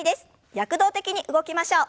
躍動的に動きましょう。